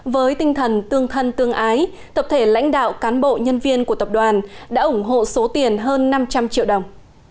với tinh thần tương thân tương ái tập thể lãnh đạo cán bộ nhân viên của tập đoàn đã ủng hộ số tiền hơn năm trăm linh triệu đồng